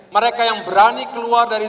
mereka yang berani keluar dari